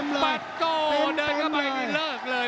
หมัดโก้เดินเข้าไปนี่เลิกเลย